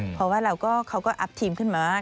เพราะว่าเราก็บาปทีมขึ้นมาว่า